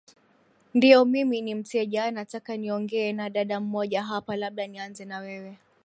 ndiyo mimi ni mteja nataka niongee na dada mmoja hapa labda nianze na wewe